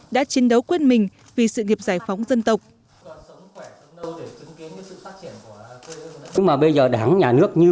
đã chiến đấu quên mình vì sự nghiệp giải phóng dân tộc